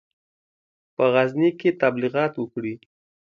په غزني کې تبلیغات وکړي.